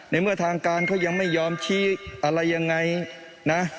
ในเมื่อทางการเขายังไม่ยอมชี้อะไรยังไงนะ